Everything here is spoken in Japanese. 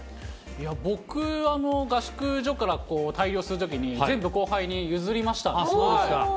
いや、僕、合宿所からするときに全部後輩に譲りました。